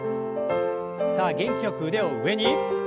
さあ元気よく腕を上に。